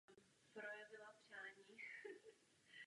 To je strategie, která se obrátí proti nám.